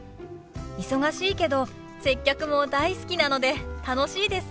忙しいけど接客も大好きなので楽しいです。